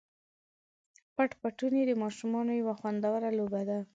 پټ پټوني د ماشومانو یوه خوندوره لوبه ده.